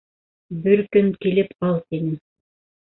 Бер көн килеп «ал» тине